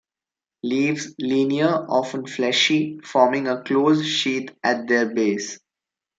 Leaves linear, often fleshy, forming a closed sheath at their base.